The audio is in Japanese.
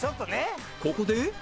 ここで